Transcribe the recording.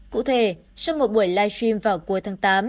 cụ thể trong một buổi live stream vào cuối tháng tám